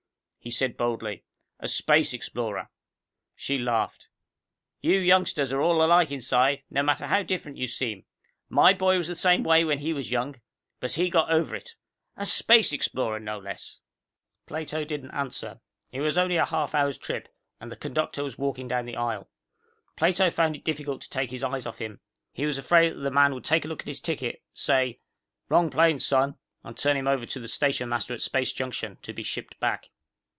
He said boldly, "A space explorer." She laughed. "You youngsters are all alike inside, no matter how different you seem. My boy was the same way when he was young. But he got over it. A space explorer, no less!" Plato didn't answer. It was only a half hour's trip, and the conductor was walking down the aisle. Plato found it difficult to take his eyes off him. He was afraid that the man would take a look at his ticket, say, "Wrong plane, son," and turn him over to the stationmaster at Space Junction, to be shipped back.